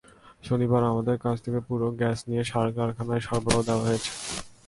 শনিবার আমাদের কাছ থেকে পুরো গ্যাস নিয়ে সার কারখানায় সরবরাহ দেওয়া হচ্ছে।